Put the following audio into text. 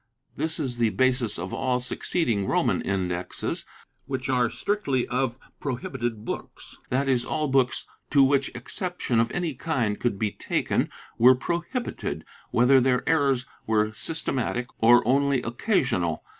This is the basis of all succeeding Roman Indexes, which are strictly of pro hibited books — that is, all books, to which exception of any kind could be taken, were prohibited, whether their errors were syste matic or only occasional.